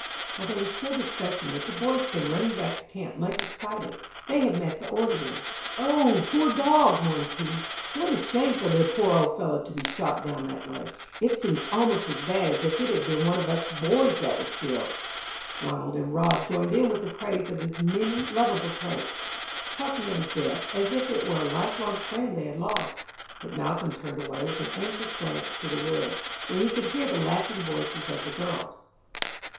While they were still discussing it the boys came running back to camp much excited. They had met the orderly. "Oh, the poor dog!" mourned Keith. "What a shame for the poor old fellow to be shot down that way. It seems almost as bad as if it had been one of us boys that was killed." Ranald and Rob joined in with praise of his many lovable traits, talking of his death as if it were a lifelong friend they had lost; but Malcolm turned away with an anxious glance to the woods, where he could hear the laughing voices of the girls.